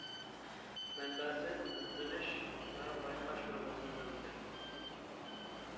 مەنبەسى: «ئىزدىنىش ۋە بايقاش» ژۇرنىلىدىن ئېلىندى.